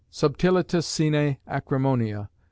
Subtilitas sine acrimonia....